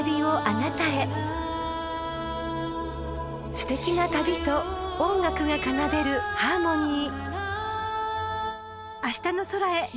［すてきな旅と音楽が奏でるハーモニー］